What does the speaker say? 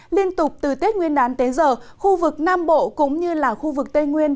liên tục từ tết nguyên đán tới giờ khu vực nam bộ cũng như là khu vực tây nguyên